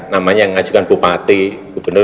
namanya ngajukan bupati gubernur